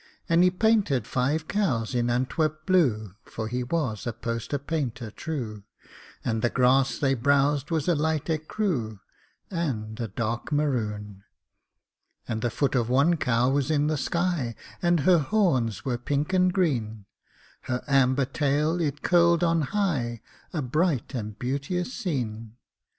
And he painted five cows in Antwerp blue (For he was a poster painter true), And the grass they browsed was a light écru And a dark maroon. And the foot of one cow was in the sky, And her horns were pink and green; Her amber tail it curled on high A bright and beauteous scene.